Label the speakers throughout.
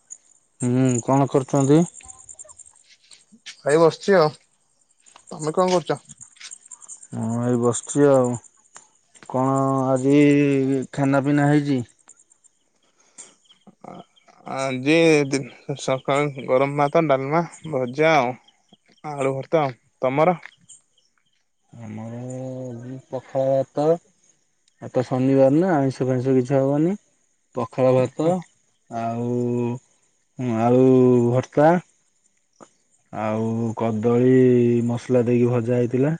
Speaker 1: [inaudible] ହୁଁ କଣ କରୁ ଛନ୍ତି।
Speaker 2: ଭାଇ ବସିଚି ଆଉ ତମେ କଣ କରୁଚ?
Speaker 1: ମୁଁ ଏଇ ବସିଛି ଆଉ କଣ ଆଜି ଖାନା ପିନା ହେଇଛି।
Speaker 2: ଆଜି ସକାଳୁ ଗରମ ଭ ତ ଡାଲମା ଭଜା ଆଉ ଆଳୁ ଭାତ ତମର
Speaker 1: ଆମର ପଖାଳ ତ ଏ ତ ଶନିବାର ନା ଆମଁଷ ଫଇଁଷ କିଛି ହବନି। ପଖରା ଭାତ ଆଉ ଆଉ ଭର୍ତା ଆଉ କଦଳୀ ମସଲା ଦେଇକି ଭଜା ହେଇଥିଲା।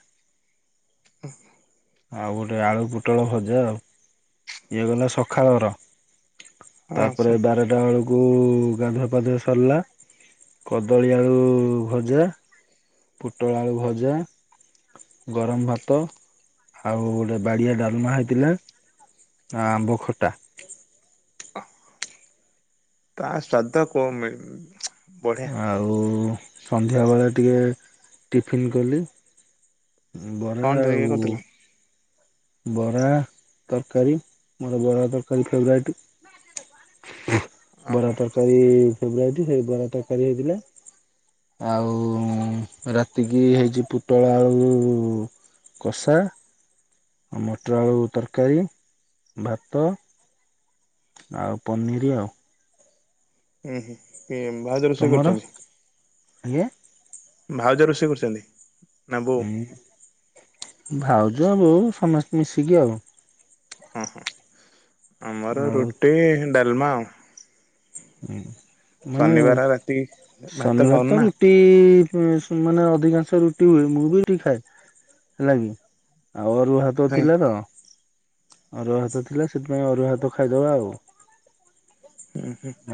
Speaker 1: ଆଉ ଗୋଟେ ଆଳୁ ପୋଟଳ ଭଜା ଆଉ ଇଏ ଗଲେ ସଖାଳର
Speaker 2: ହଁ
Speaker 1: ତାପରେ ବାରଟା ବେଳକୁ ଆଗ ଗାଧୁଆ ପାାଧୁଆ ସରିଲା କଦଳୀ ଆଳୁ ଭଜା ପୋଟଳ ଆଳୁ ଭଜା ଗରମ ଭାତ ଆଉ ଗୋଟେ ବାଡ଼ିଆ ଡାଲମା ହେଇଥିଲା ଆମ୍ବ ଖଟା
Speaker 2: ତା ଶ୍ରାଦ୍ଧା କଣ ମିଳି
Speaker 1: ଆଉ ସନ୍ଧ୍ୟାବେେଳେ ଟିକେ ଟିଫିନ୍ କଲି। ବରା
Speaker 2: କଣ
Speaker 1: ଆଉ
Speaker 2: ଜଳଖିଆ କରିଥିଲ?
Speaker 1: ବରା ତରକାରୀ ମୋର ବରା ତରକାରୀ ଫେବରାଇଟ ବରା
Speaker 2: ଓହୋ
Speaker 1: ତରକାରୀ ଫେବ ବରା ତରକାରୀ ହେଇଥିଲା ଆଉ ରାତିକି ହେଇଛି ପୋଟଳ ଆଉ କଷା ମଟର ଆଳୁ ତରକାରୀ ଭାତ ଆଉ ପନିର ଆଉ।
Speaker 2: ହୁଁ ହୁଁ। ଏ ଭାଉଜ ରୋଷେଇ କରୁଛନ୍ତି।
Speaker 1: ଆଜ୍ଞା।
Speaker 2: ଭାଉଜ ରୋଷେଇ କରୁଛନ୍ତି। ନା ବୋଉ?
Speaker 1: ହୁଁ ଭାଉ ଜ ବୋଉ ସମସ୍ତେ ମିଶିକି ଆଉ।
Speaker 2: ହ ହଁ। ଆମର
Speaker 1: ଆଉ
Speaker 2: ରୁଟି ଡାଲମା ଆଉ।
Speaker 1: ହୁଁ। ମାନେ
Speaker 2: ଶନିବାର ରାତି ଭାତ
Speaker 1: ଶନିବାର
Speaker 2: ଖାଉନୁ
Speaker 1: ତ
Speaker 2: ନା
Speaker 1: ରୁଟି ମାନେ ଅଧିକାଂଶ ରୁଟି ହୁଏ ମୁଁ ବି ଖାଏ ହେଲା କି। ଆଉ ଅରୁଆ ଭାତ
Speaker 2: ହଁ
Speaker 1: ଥିଲା ତ ଅରୁଆ ଭାତ ଥିଲା ସେଥିପାଇଁ ଅରୁଆ ଭାତ ଖାଇଦବା ଆଉ।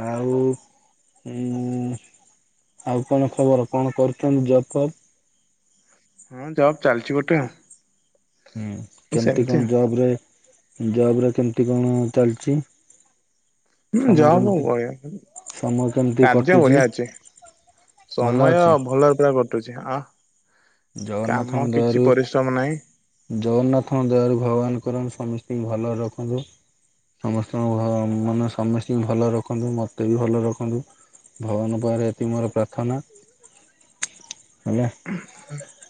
Speaker 1: ଆଉ? ଉଁ ଆଉ କଣ ଖବର କଣ କରୁଚନ୍ତି ଜପ୍ ଫବ୍?
Speaker 2: ହଁ ଜବ୍ ଚାଲିଚି ଗୋଟେ ଆଉ।
Speaker 1: ହୁଁ କେମିତି
Speaker 2: ସେମିତି
Speaker 1: କଣ ଜବ୍ ରେ? ଜବ୍ ରେ କେମିତି କଣ ଚାଲିଚି?
Speaker 2: ହୁଁ ଜବ୍ ବଢିଆ
Speaker 1: ସମୟ କେମିତି
Speaker 2: କାର୍ଯ୍ୟ
Speaker 1: କଟୁଛି
Speaker 2: ବଢିଆ ଅଛି
Speaker 1: ଭଲ
Speaker 2: ସମୟ
Speaker 1: ଅଛି?
Speaker 2: ଭଲରେ ପୁରା କଟୁଛି ଆ କାମ
Speaker 1: ଜଗନ୍ନାଥଙ୍କ
Speaker 2: କିଛି
Speaker 1: ଦୟାରୁ
Speaker 2: ପରିଶ୍ରମ ନାହିଁ
Speaker 1: ଜଗନ୍ନାଥଙ୍କ ଦୟା ରୁ ଭଗବାନ କରନ୍ତୁ ସମସ୍ତଙ୍କୁ ଭଲ ରଖନ୍ତୁ ସମସ୍ତଙ୍କୁ ଘ ମାନେ ସମସ୍ତଙ୍କୁ ଭଲ ରଖନ୍ତୁ। ମୋତେ ବି ଭଲ ରଖନ୍ତୁ। ଭଗବାନଙ୍କ ପାରେ ଏତି ମୋର ପ୍ରାର୍ଥନା ହେଲା।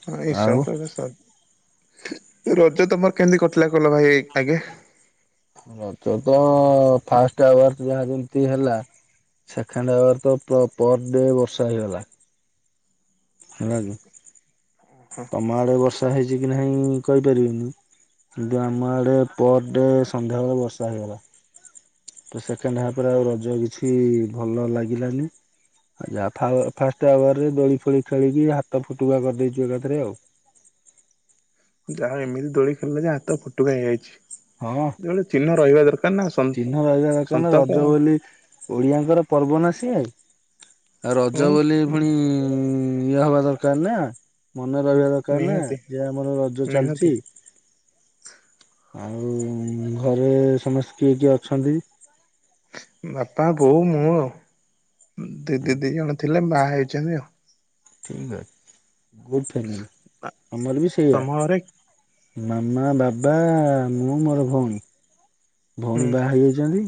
Speaker 2: ହଁ ଇଶ
Speaker 1: ଆଉ
Speaker 2: [unintelligible] ସ ରଜ ତମର କେମିତି କଟିଲା କହିଲ ଭାଇ ଆଗେ?
Speaker 1: ରଜ ତ ଫାଷ୍ଟ ଆୱାର ଯାହା ଯେମତି ହେଲା, ସେକେଣ୍ଡ ଆୱାର ତ ପର୍ ଡେ ବର୍ଷା ହେଇଗଲା। ହେଲା କି? ତମ ଆଡେ ବର୍ଷା ବର୍ଷା ହେଇଚି କି ନାହିଁ କହିପାରିବିନି କିନ୍ତୁ ଆମ ଆଡ଼େ ପର ଡେ ସନ୍ଧ୍ୟାବେଳେ ବର୍ଷା ହେଇଗଲା। ତ ସେକେଣ୍ଡ ହାପ ରେ ଆଉ ରଜ କିଛି ଭଲ ଲାଗିଲାନି। ଆ ଯା ଫାଷ୍ଟ ଆୱରରେ ଦୋଳି ଫୋଳି ଖେଳିକି ହାତ ଫୁଟୁକା କରିଦେଇଚୁ ଏକାଥରେ ଆଉ।
Speaker 2: ଯାହା ଏମିତି ଦୋଳି ଖେଳିଲା ହାତ ଫୁଟୁକା ହେଇଯାଇଚି।
Speaker 1: ହଁ ଚିହ୍ନ ରହିବା ଦରକାର ନା
Speaker 2: ସନ୍ତାପ
Speaker 1: ରଜ ବୋଲି ଓଡିଆଙ୍କର। ପର୍ବ ନା ସିଏ। ଆଉ
Speaker 2: ଉଁ
Speaker 1: ରଜ ବୋଲି ପୁଣି ଇଏ ହବା ଦରକାର ନା। ମନେ ରହିବା ଦରକାର ନା
Speaker 2: ନିହାତି
Speaker 1: ଯେ ଆମର ରଜ
Speaker 2: ନିହାତି
Speaker 1: ଚାଲିଚି। ଆଉ ଘରେ ସମସ୍ତେ କିଏ କିଏ ଅଛନ୍ତି?
Speaker 2: ବାପା ବୋଉ ମୁଁ ଆଉ। ଦି ଦି ଦି ଜଣ ଥିଲେ ମା ଆଇଚନ୍ତି ଆଉ।
Speaker 1: ଠିକ୍ ଅଛି ଗୁଡ ଫାମିଲି।
Speaker 2: ଆ ତମ ଘରେ?
Speaker 1: ମାମା, ବାବା, ମୁଁ ମୋର ଭଉଣୀ।
Speaker 2: ହୁଁ
Speaker 1: ଭଉଣୀ ବାହା ହେଇଯାଇଚନ୍ତି।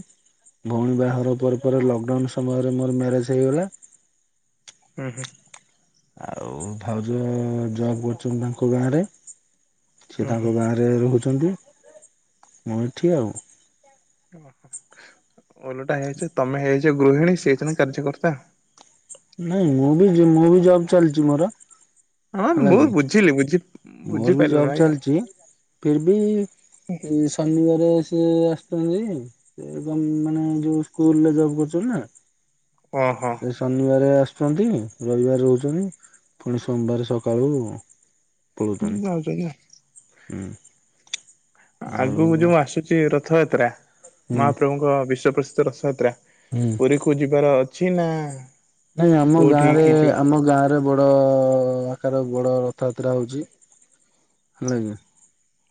Speaker 1: ଭଉଣୀ ବାଘର ପରେ ପରେ ଲକଡାଉନ ସମୟରେ ମୋର ମ୍ୟାରେଜ ହେଇଗଲା।
Speaker 2: ହହଁ।
Speaker 1: ଆଉ ଭାଉଜ ଜବ କରୁଚନ୍ତି ତାଙ୍କ ଗାଁ ରେ। ସେ
Speaker 2: ହୁଁ
Speaker 1: ତାଙ୍କ ଗାଁ ରେ ରହୁଛ ତୁ ଯିନ୍ତି ମୁଁ ଏଠି ଆଉ।
Speaker 2: ଓହୋ ଓଲଟା ହେଇ ଯାଇଚି ତମେ ହେଇଛ ଗୃହିଣୀ ସେ ହେଇଛ କାର୍ଯ୍ୟକର୍ତ୍ତା।
Speaker 1: ନାଇଁ ମୁଁ ବି ଜମାରୁ ଜବ ଚାଲିଛି ମୋର।
Speaker 2: ହଁ
Speaker 1: ହେଲା
Speaker 2: ମୁଁ
Speaker 1: କିି?
Speaker 2: ବୁଝିଲି ବୁଝି
Speaker 1: ମୋର ବି
Speaker 2: ବୁଝିପାରିଲିନି
Speaker 1: ଜବ
Speaker 2: ଭାଇ ଆଉ
Speaker 1: ଚାଲିଛି ଫିର ବି ଶନିବାର ସେ ଆସୁଛନ୍ତି ଏବଂ ଯୋଉ ଯୋଉ ସ୍କୁଲ ରେ ଜବ କରୁଛନ୍ତି ନା।
Speaker 2: ଓହୋ
Speaker 1: ସେ ଶନିବାର ଆସ ରହିଛନ୍ତି, ରବିବାର ରହୁଛନ୍ତି, ପୁଣି ସୋମବାର ସକାଳୁ ପଳଉଛନ୍ତି
Speaker 2: ହଁ ଆଉଛନ୍ତି ନା।
Speaker 1: ହୁଁ। ଆଉ
Speaker 2: ଆଗକୁ ଯୋଉ ଆସୁଛି ର ଥ ଯାତ୍ରା।
Speaker 1: ହୁଁ
Speaker 2: ମହାପ୍ରଭୁଙ୍କ ବିଶ୍ଵ ପ୍ରସି ରଥଯାତ୍ରା।
Speaker 1: ହୁଁ।
Speaker 2: ପୁରୀକୁ ଯିବାର ଅ ଛିନା।
Speaker 1: ନାଇଁ ଆମ ଗାଁ ରେ ଆମ ଗାଁରେ ବଡ କାର ବଡ଼ ରଥଯାତ୍ରା ହଉଛି, ହେଲା କି!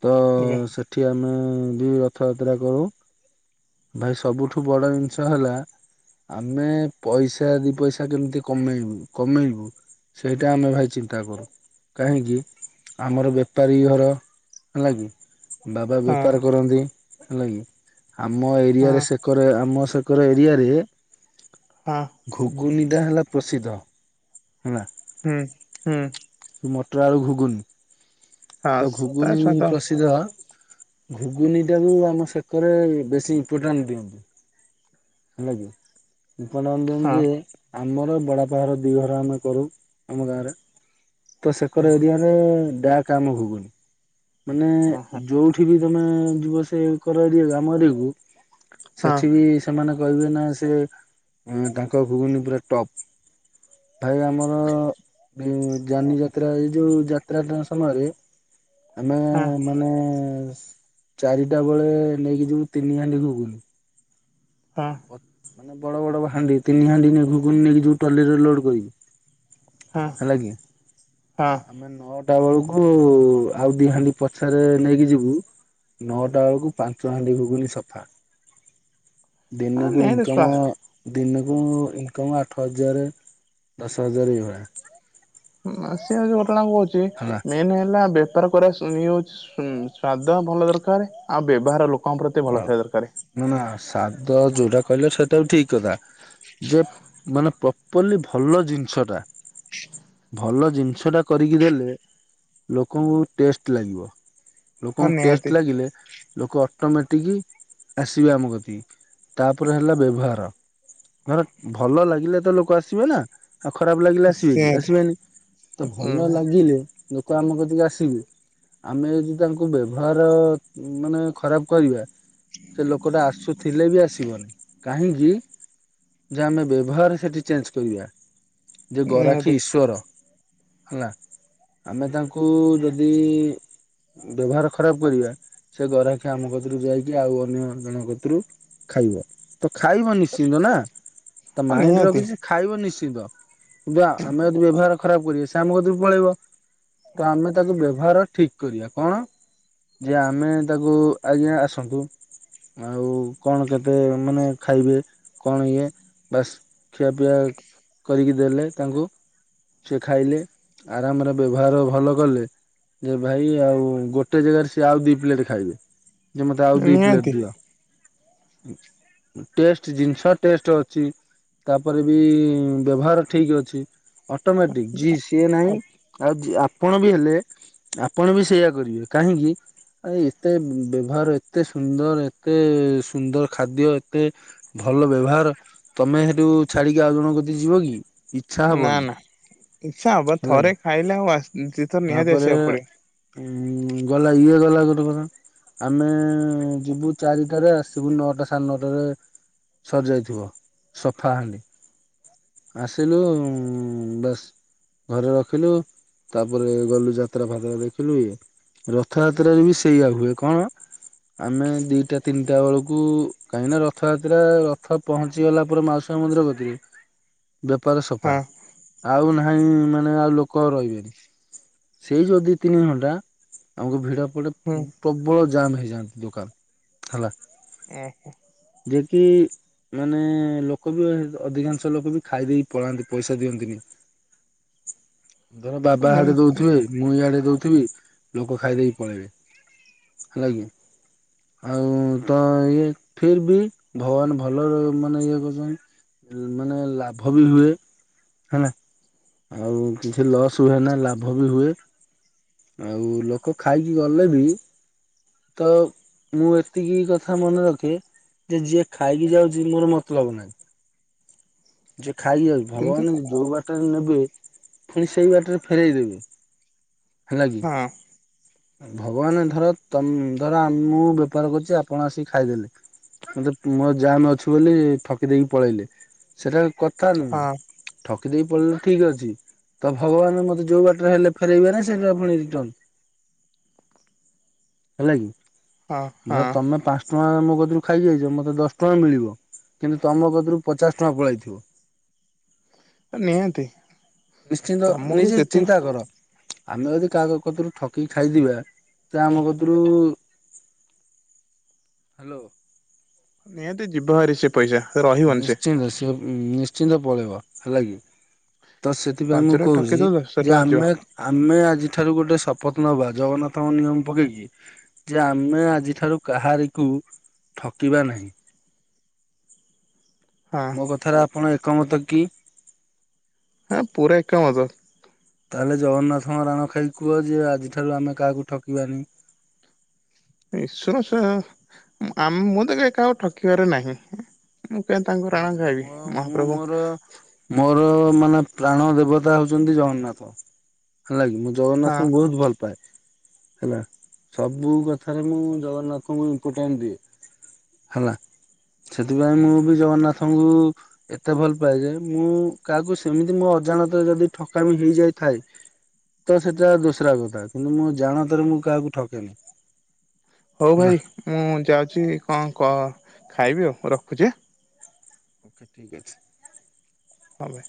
Speaker 1: ତ
Speaker 2: ଆଜ୍ଞା
Speaker 1: ସେଠି ଆମେ ଦି ରଥଯାତ୍ରା କରୁ। ଭାଇ ସବୁଠୁ ବଡ ଜିନିଷ ହେଲା ଆମେ ପଇସା ଦି ପଇସା କେମିତି କମେଇବୁ କମେଇବୁ, ସେଇଟା ଆମେ ଭାଇ ଚିନ୍ତା କରୁ କାହିଁକି ଆମର ବେପାରୀ ଘର ହେଲା କିି? ବାବା ବେପାର
Speaker 2: ହଁ
Speaker 1: କରନ୍ତି। ହେଲା କି! ଆମ ଏରିଆରେ ସେକରେ ଆମ ଙ୍କର ଏରିଆରେ
Speaker 2: ହଁ।
Speaker 1: ଗୁନିଦା ହେଲା ପ୍ରସିଦ୍ଧ ହେଲା।
Speaker 2: ହୁଁ ହୁଁ।
Speaker 1: ମଟର ଆଳୁ ଘୁଗୁନି।
Speaker 2: ହଁ
Speaker 1: ତ
Speaker 2: ତା
Speaker 1: ଘୁଗୁନି
Speaker 2: ସ୍ୱାଦ
Speaker 1: ପ୍ରସିଦ୍ଧ ଘୁଗୁନି ଟାକୁ ଆମ ସେକରେ ବେଶୀ ଇମ୍ପୋର୍ଟାଣ୍ଟ ଦିଅନ୍ତି ହେଲା କି? ଉପନନ୍ଦନ
Speaker 2: ହଁ
Speaker 1: ଯିଏ ଆମର ବଡ଼ାପା ଘର ଦୁଇଘର ଆମେ କରୁ, ଆମ ଗାଁରେ। ତ ସେକର
Speaker 2: ଓହୋ
Speaker 1: ଏରିିଆର କାମୁ ଘୁଗୁନି। ମାନେ
Speaker 2: ହଁ
Speaker 1: ଯୋଉଠି ବି ତମେ ଯୁବ ସେ କର ଏରିଆକୁ ଆମ ଏରିଆ କୁ।
Speaker 2: ହଁ
Speaker 1: ସେଠି ବି ସେମାନେ କହିବେ ନା ସେ ତାଙ୍କ ଘୁଗୁନି ପୁରା ଟପ୍ ଭାଇ ଆମର ଯାନି ଯାତ୍ରା ଏ ଯଉ ଯାତ୍ରା ସମୟରେ। ଆମେ ମାନେ ଚାରିଟା ବେଳେ ନେଇକି ଯିବ ତିନି ହାଣ୍ଡି ଘୁଗୁନି।
Speaker 2: ହଁ।
Speaker 1: ମାନେ ବଡ ବଡ ହାଣ୍ଡି ତିନି ହାଣ୍ଡି ଘୁଗୁନି ନେଇକି ଯିବୁ ଟଲିରେ ଲୋଡ କରିକି।
Speaker 2: ହଁ
Speaker 1: ହେଲା କି
Speaker 2: ହଁ
Speaker 1: ଆମେ ନ ଆଟା ବେଳକୁ ଆଉ ଦି ହାଣ୍ଡି ପଛରେ ନେଇକି ଯିବୁ ନଅଟା ବେଳକୁ ପାଞ୍ଚ ହାଣ୍ଡି ଭୋଗୁନି ସଫା। ଦିନକୁ ଇନ୍
Speaker 2: ନିହାତି
Speaker 1: କମ
Speaker 2: ସ୍ୱା
Speaker 1: ଦିନକୁ ଇନକମ୍ ଆଠ ହଜାର ଦଶ ହଜାର ଏଇ ଭଳିଆ।
Speaker 2: ହୁଁ ଆସିବ ହଉଛିମ ଆଉଚି ମେନ୍ ହେଲା ବେ ବେପାର କରାଇଏ ହଉ ଚି ସ୍ଵାଦ ଭଲ ଦରକାର ଆଉ ବ୍ୟବହାର ଲୋକ ତମ ପ୍ରତି ଭଲ ଥିବା ଦରକାର।
Speaker 1: ତ ଯୋଉଟା କହିଲ ସେଇଟା ବି ଠିକ୍ କଥା ଯେ ମାନେ ପ୍ରପର୍ଲି ଭଲ ଜିନିଷଟା ଭଲ ଜିନିଷ ଟା କରିକି ଦେଲେ ଲୋକଙ୍କୁ ଟେଷ୍ଟ ଲାଗିବ।
Speaker 2: ହଁ
Speaker 1: ଲୋକଙ୍କୁ
Speaker 2: ନିହାତି
Speaker 1: ଟେଷ୍ଟ ଲାଗିଲେ ଲୋକ ଅଟୋମେଟିକ ଆସିବେ ଆମ କତିକି। ତାପରେ ହେଲା ବ୍ୟବହାର। ଧର ଭଲ ଲାଗିଲେ ତ ଲୋକ ଆସିବେ ନା? ଆଉ ଖରାପ ଲାଗିଲେ ଆସିବେ କି
Speaker 2: ନିହାତି
Speaker 1: ଆସିବେନି ତ ଭଲ ଲାଗିଲେ ଲୋକ ଆମ କ ତିକି ଆସିବେ ଆମେ ଯଦି ତାଙ୍କୁ ବ୍ୟବହାର ମାନେ ଖରାପ କରିବା ସେ ଲୋକଟା ଆସୁଥିଲେ ବି ଆସିବନି କାହିଁକି ଯେ ଆମେ ବ୍ୟବହାର ସେଠି ଚେଞ୍ଜ କରିବା। ଯେ ଗରାଖୀ
Speaker 2: ନିହାତି
Speaker 1: ଈଶ୍ଵର। ହେଲା ଆମେ ତାଙ୍କୁ ଯଦି ବ୍ୟବହାର ଖରାପ କରିବା ସେ ଗରା ଆମ କତରୁ ଯାଇକି ଆଉ ଅନ୍ୟ ଜଣଙ୍କ କତରୁ ଖାଇବ ତ ଖାଇବ ନିଶ୍ଚିନ୍ତ ନା ତା
Speaker 2: ହଁ
Speaker 1: ମାଇଣ୍ଡରେ
Speaker 2: ନିହାତି
Speaker 1: ରଖିଛି ଖାଇବ ନିଶ୍ଚିନ୍ତ ଯ ଆମେ ଯଦି ବ୍ୟବହାର ଖରାପ କରିବେ ସେ ଆମକୁ ଦ ପଳେଇବ ତ ଆମେ ତାକୁ ବ୍ୟବହାର ଠିକ କରିବା କଣ ଯେ ଆମେ ତାକୁ ଆଜ୍ଞା ଆସନ୍ତୁ ଆଉ କଣ କେତେ ମାନେ ଖାଇବେ କଣ ଇଏ ବାସ୍ ଖିଆପିଆ କରିକି ଦେଲେ ତାଙ୍କୁ ସେି ଖାଇଲେ ଆରାମରେ ବ୍ୟବହାର ଭଲ କଲେ ଯେ ଭାଇ ଆଉ ଗୋଟେ ଜାଗାରେ ସିଏ ଆଉ ଦୁଇ ପ୍ଲେଟ୍ ଖାଇବେ ଯେ ମତେ ଆଉ ଦି ପ୍ଲେଟ
Speaker 2: ନିହାତି
Speaker 1: ଦିଅ ଟେଷ୍ଟ ଜିନିଷ ଟେଷ୍ଟ ଅଛି ତାପରେ ବି ବ୍ୟବହାର ଠିକ ଅଛି ଅଟୋମେଟିକ ଜି ସିଏ ନାହିଁ
Speaker 2: ଅ
Speaker 1: ଆଉ ଆପଣ ବି ହେଲେ ଆପଣ ବି ସେଇୟା କରିବେ କାହିଁକି ଏତେ ବେ ବ୍ୟବହାର ଏତେ ସୁନ୍ଦର ଏତେ ସୁନ୍ଦର ଖାଦ୍ୟ ଏତେ ଭଲ ବ୍ୟବହାର ତମେ ହେଠୁ ଛାଡିକି ଆଉ ଜଣ କଦି ଯିବ କି? ଇଚ୍ଛା
Speaker 2: ନା
Speaker 1: ହବନି
Speaker 2: ନା ଇଚ୍ଛା ହବ
Speaker 1: ହେଲା କି
Speaker 2: ଥରେ ଖାଇଲେ ଆଉ ଆସ ଦିଥର ନିହାତି ଆସିବାକୁ ପଡିବ।
Speaker 1: ହଁ ଗଲା ଇଏ ଗଲା ଗୋଟେ କଥା। ଆମେ ଯିବୁ ଚାରିଟାରେ ଆସିବୁ ନଅଟା ସାଢ଼େ ନଅଟାରେ ସରି ଯାଇଥିବ ସଫା ହାଣ୍ଡି ଆସିଲୁ ବାସ୍ ଘରେ ରଖିଲୁ ତାପରେ ଗଲୁ ଯାତ୍ରା ଫାତ୍ରା ଦେଖିଲୁ ଇଏ ରଥଯାତ୍ରାରେ ବି ସେଇଆ ହୁଏ କଣ ଆମେ ଦିଟା ତିନିଟା ବେଳକୁ କାହିଁକିନା ରଥଯାତ୍ରା ରଥ ପହଞ୍ଚି ଗଲା ପରେ ମାଉସୀ ମନ୍ଦିର କତିକି ବେପାର ସଫା
Speaker 2: ହଁ
Speaker 1: ଆଉ ନାହିଁ କାଇଁ ମାନେ ଆଉ ଲୋକ ରହିବେନି ସେଇ ଯୋଉ ଦିଇ ତିନି ଘଣ୍ଟା ଆମକୁ ଭିଡ଼। ଗୋଟେ
Speaker 2: ହୁଁ
Speaker 1: ପ୍ରବଳ ଜମ୍ ହେଇଯାଆନ୍ତି ଦୋକାନ ହେଲା
Speaker 2: ହଁ।
Speaker 1: ଯଏ କି ମାନେ ଲୋକ ବି ଅଧିକାଂଶ ଲୋକ ବି ଖାଇଦେଇ ପଳାନ୍ତି ପଇସା ଦିଅନ୍ତିନି। ଧର ବାବା ହାଡେ
Speaker 2: ନିହାତି
Speaker 1: ଦଉଥିବେ ମୁଁ ଇଆଡେ ଦଉଥି ଥିବି ଲୋକ ଖାଇଦେଇକି ପଳେଇବେ। ହେଲା କି ଆଉ ତ ଇଏ ଫିର ବି ଭଗବାନ ଭଲର ମାନେ ଇଏ କରଛନ୍ତି ମାନେ ଲାଭ ବି ହୁଏ ହେଲା ଆଉ କିଛି ଲସ୍ ହୁଏନା ଲାଭ ବି ହୁଏ ଆଉ ଲୋକ ଖାଇକି ଗଲେ ବି ତ ମୁଁ ଏତିକି କଥା ମନେ ରଖେ ଯେ ଯିଏ ଖାଇକି ଯାଉଚି ମୋର ମତଲବ ନାହିଁ। ଯେ ଖାଇିକି ଯାଉ
Speaker 2: କିନ୍ତୁ
Speaker 1: ଭଗବାନଙ୍କୁ ଯୋଉ ବା ବାଟରେ ନେବେ ପୁଣି ସେଇ ବାଟରେ ଫେରଇ ଦେବେ। ହେଲା କି।
Speaker 2: ହଁ
Speaker 1: ଭଗବାନ ଧର ତମ୍ ଧର ଆ ମୁଁ ବେପାର କରୁଚି ଆପଣ ଆସିକି ଖାଇଦେଲେ ମତେ ମୋ ଯାମ୍ ଅଛି ବୋଲି ଠକି ଦେଇକି ପଳେଇଲେ ସେଟାରେ କ କା ନୁହୁ
Speaker 2: ହଁ
Speaker 1: ଠକ ଦେଇ ପଢେ ଠିକ ଅଛି ତ ଭଗବାନ ମତେ ଯୋଉ ବାଟରେ ହେଲେ ଫେରାଇବେ ନା ସେଟା ପୁଣି ରିଟର୍ନ ହେଲା କି।
Speaker 2: ହଁ
Speaker 1: ଧର
Speaker 2: ହଁ
Speaker 1: ତମେ ପାଞ୍ଚ ତମେ ମୋ କତିରୁ ଖାଇକି ଯାଇଚ ମତେ ଦଶ ଟଙ୍କା ମିଳବ କିନ୍ତୁ ତମ କତିରୁ ପଚାସ ଟଙ୍କା ପଳାଇଥିବ।
Speaker 2: ନିହାତି
Speaker 1: ନିଶ୍ଚିନ୍ତ
Speaker 2: ତମକୁ
Speaker 1: ନିଜେ
Speaker 2: ଯେତିକି
Speaker 1: ଚିନ୍ତା କର। ଆମେ ଯଦି କାହା କତରୁ ଠକିକି ଖାଇଥିବା ତ ଆମ କତୁରୁ ହାଲୋ।
Speaker 2: ନିହାତି ଯିବ ହାରି ସେ ପଇଷା ରହିବନି ସେ
Speaker 1: ନିଶ୍ଚିନ୍ତ ପଳେଇବ ହେଲା କି ତ ସେଥିପାଇଁ
Speaker 2: ପାଞ୍ଚ
Speaker 1: ମୁଁ
Speaker 2: ଟଙ୍କା
Speaker 1: କୋହୁଚି
Speaker 2: ଠକିଦବ ଦଶ
Speaker 1: ଯେ
Speaker 2: ଟଙ୍କା ଯିବ
Speaker 1: ଆମେ ଆମେ ଆଜି ଆଜି ଠାରୁ ଗୋଟେ ଶପଥ ନବା ଜଗନ୍ନାଥଙ୍କ ନିୟମ ପକେଇକି। ଯେ ଆମେ ଆଜିଠାରୁ କାହାରିକୁ ଠକିବା ନାହିଁ।
Speaker 2: ହଁ
Speaker 1: ମୋ କଥାରେ ଆପଣ ଏକ ମତ କି?
Speaker 2: ହାଁ ପୁରା ଏକ ମତ।
Speaker 1: ତାହେଲେ ଜଗନ୍ନାଥଙ୍କ ରାଣ ଖାଇକି କୁହ ଯେ ଆଜିଠାରୁ ଆମେ କାହାକୁ ଠକିବାନି।
Speaker 2: ଈଶ୍ୱର ସେ ଆ ମୁଁ ତ କେ କହାକୁ ଠକିବାରେ ନାହିଁ। ମୁଁ କାହିଁ ତାଙ୍କୁ
Speaker 1: ହେଲା
Speaker 2: ରାଣ
Speaker 1: କି
Speaker 2: ଖାଇବି।
Speaker 1: ମୋ ମୁଁ
Speaker 2: ମହାପ୍ରଭୁ
Speaker 1: ମୋର ମୋର ମାନେ ପ୍ରାଣ ଦେବତା ହଉଚିନ୍ତି ଜଗନ୍ନାଥ ହେଲା କିି।
Speaker 2: ହଁ
Speaker 1: ଜଗନ୍ନାଥଙ୍କୁ ବହୁତ ଭଲପାଏ। ହେଲା ସବୁ କଥାରେ ମୁଁ ଜଗନ୍ନାଥଙ୍କୁ ଇମ୍ପୋଟାଣ୍ଟ ଦିଏ। ହେଲା ସେଥିପାଇଁ ମୁଁ ମୁଁ ଜଗନ୍ନାଥଙ୍କୁ ଏତେ ଭଲ ପାଏ ଯେ ମୁଁ କାହାକୁ ସେମିତି ମୋ ଅଜାଣତରେ ଯଦି ଠକାମି ହେଇଯାଇଥାଏ ତ ସେଟା ଦୋସରା କଥା କିନ୍ତୁ ମୁଁ ଜାଣତରେ ମୁଁ କାହାକୁ ଠକେନି।
Speaker 2: ହଉ
Speaker 1: ହେଲା
Speaker 2: ଭାଇ ମୁଁ ଯାଉଛି କଣ କଣ ଖାଇବି ଆଉ ରଖୁଛି ଆଁ।
Speaker 1: ଓକେ ଠିକ ଅଛି।
Speaker 2: ହଁ ଭାଇ।